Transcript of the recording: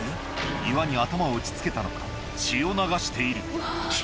岩に頭を打ちつけたのか、血を流している。